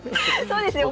そうですね。